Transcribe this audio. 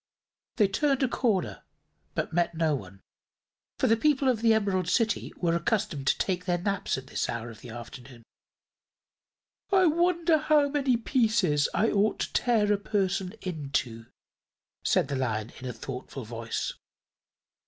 They turned a corner, but met no one, for the people of the Emerald City were accustomed to take their naps at this hour of the afternoon. "I wonder how many pieces I ought to tear a person into," said the Lion, in a thoughtful voice.